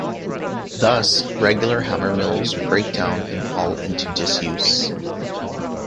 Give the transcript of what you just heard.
Thus regular hammer mills break down and fall into disuse.